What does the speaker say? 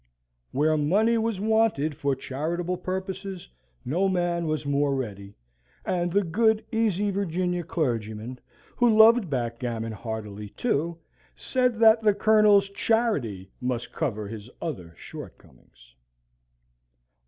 Where money was wanted for charitable purposes no man was more ready, and the good, easy Virginian clergyman, who loved backgammon heartily, too, said that the worthy Colonel's charity must cover his other shortcomings.